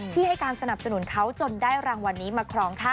ที่ให้การสนับสนุนเขาจนได้รางวัลนี้มาครองค่ะ